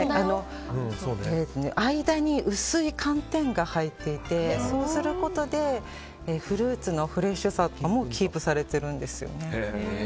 間に薄い寒天が入っていてそうすることでフルーツのフレッシュさもキープされてるんですよね。